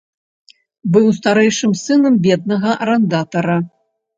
Быў старэйшым сынам беднага арандатара.